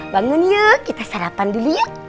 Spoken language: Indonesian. bangun ya kita sarapan dulu yuk